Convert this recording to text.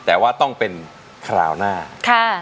แต่ว่าต้องเป็นคราวหน้าค่ะ